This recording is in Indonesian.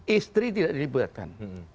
istri tidak dilibatkan